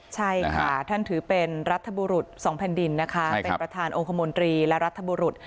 ใช่ค่ะท่านถือเป็นรัฐบุรุษ๒แผ่นดินนะคะเป็นประธานองคมนตรีและรัฐบุรุษ